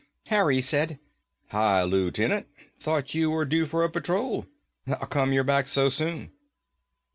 Harry said, "Hi, Lootenant, thought you were due for a patrol. How come you're back so soon?"